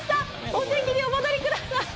お席にお戻りください。